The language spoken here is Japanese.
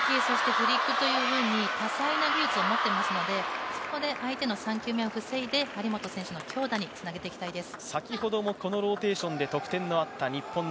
多彩な技術を持っていますので、そこて相手の攻撃を防いで、張本選手の強打につなげていきたいです。